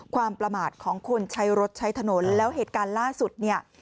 ความประมาทของคนใช้รถใช้ถนนแล้วเหตุการณ์ล่าสุดเนี่ย